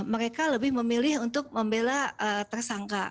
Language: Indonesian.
mereka lebih memilih untuk membela tersangka